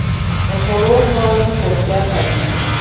د خوړو توازن روغتیا ساتي.